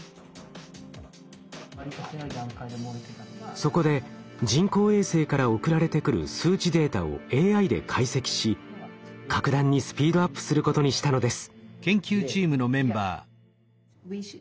そこで人工衛星から送られてくる数値データをＡＩで解析し格段にスピードアップすることにしたのです。